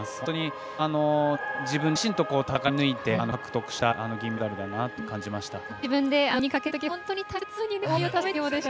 本当に自分自身と戦い抜いて獲得した銀メダルだなというふうに感じました。